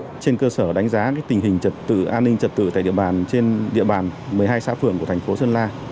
trên cơ sở đánh giá tình hình trật tự an ninh trật tự trên địa bàn một mươi hai xã phường của thành phố sơn la